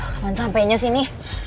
kapan sampainya sih ini